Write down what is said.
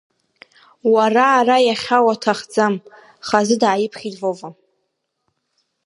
Уара ара иахьа уаҭахӡам, хазы дааиԥхьеит Вова.